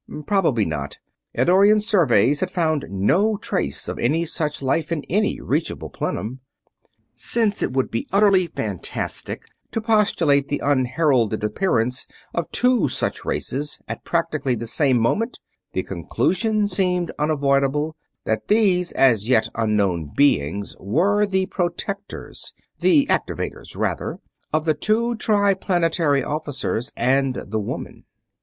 Probably not Eddorian surveys had found no trace of any such life in any reachable plenum. Since it would be utterly fantastic to postulate the unheralded appearance of two such races at practically the same moment, the conclusion seemed unavoidable that these as yet unknown beings were the protectors the activators, rather of the two Triplanetary officers and the woman.